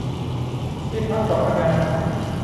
ที่พักเกาะพะงัน